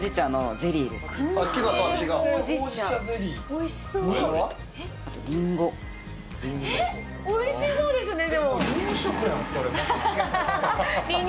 おいしそうですね。